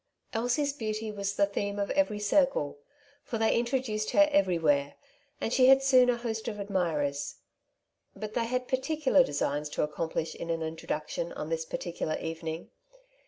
Elsie's beauty was the theme of every circle ; for they introduced her everywhere, and she had soon a host of admirers. But they had particular designs to accomplish in an introduction on this particular evening.